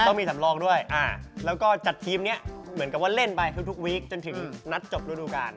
ต้องมีสำรองด้วยแล้วก็จัดทีมนี้เหมือนกับว่าเล่นไปทุกวีคจนถึงนัดจบรูดูการ